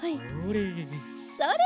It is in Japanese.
それ！